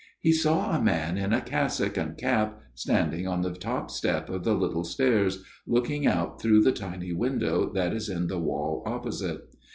He saw a man in a cassock and cap standing on the top step of the little stairs, looking out through the tiny window that is in the wall opposite.